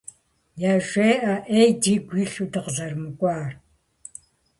ЯжеӀэ Ӏей дигу илъу дыкъызэрымыкӀуар.